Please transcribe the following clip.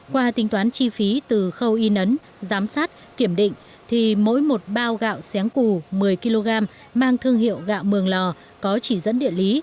qua tính toán chi phí từ khâu in ấn giám sát kiểm định thì mỗi một bao gạo xén cù một mươi kg mang thương hiệu gạo mường lò có chỉ dẫn địa lý